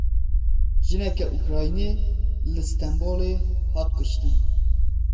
Jineke Ukraynî li Stenbolê hat kuştin.